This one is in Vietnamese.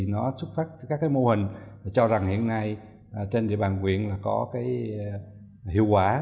nó xúc phát các mô hình cho rằng hiện nay trên địa bàn huyện có hiệu quả